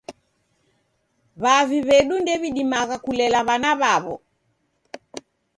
W'avi w'edu ndew'idimagha kulela w'ana w'aw'o.